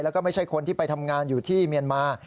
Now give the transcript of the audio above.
แล้วก็ไม่ใช่คนที่ไปทำงานอยู่ที่เมียนมา